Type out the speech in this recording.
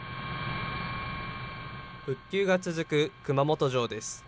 復旧が続く熊本城です。